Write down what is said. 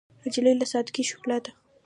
نجلۍ له سادګۍ ښکلا اخلي.